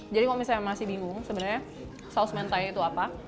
jadi kalau misalnya masih bingung sebenarnya saus mentai itu apa